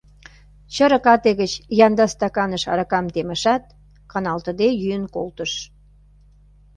Чырык ате гыч янда стаканыш аракам темышат, каналтыде йӱын колтыш.